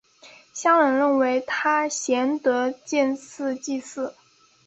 乡人认为他贤德建祠祭祀。